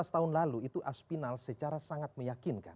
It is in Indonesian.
dua belas tahun lalu itu aspinal secara sangat meyakinkan